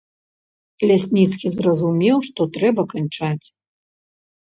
Лясніцкі зразумеў, што трэба канчаць.